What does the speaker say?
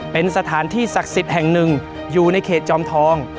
เป็นสถานที่ศักดิ์สิทธิ์แห่งหนึ่งอยู่ในเขตจอมทอง